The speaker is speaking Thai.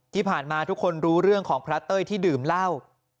ที่ผ่านมาทุกคนรู้เรื่องของพระเต้ยที่ดื่มเหล้า